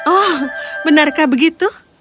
oh benarkah begitu